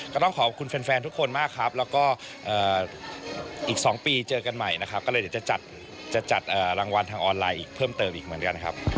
ก็ต้องขอบคุณแฟนทุกคนมากครับแล้วก็อีก๒ปีเจอกันใหม่นะครับก็เลยเดี๋ยวจะจัดรางวัลทางออนไลน์อีกเพิ่มเติมอีกเหมือนกันครับ